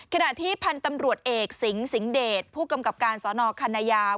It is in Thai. ขนาดที่พันตำรวจเอกซิงศิงเดชผู้กำกับการศนคัณะยาว